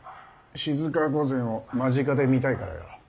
静御前を間近で見たいからよ。